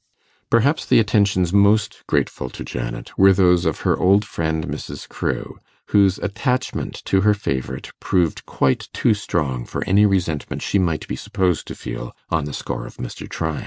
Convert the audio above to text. Perhaps the attentions most grateful to Janet were those of her old friend Mrs. Crewe, whose attachment to her favourite proved quite too strong for any resentment she might be supposed to feel on the score of Mr. Tryan.